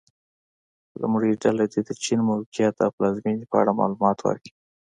لومړۍ ډله دې د چین موقعیت او پلازمېنې په اړه معلومات ورکړي.